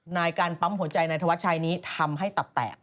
นายการปั๊มหัวใจในธวัดชายนี้ทำให้ตับแตก